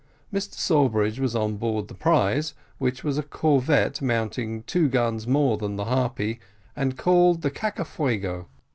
Mr Sawbridge was on board the prize, which was a corvette mounting two guns more than the Harpy, and called the Cacafuogo.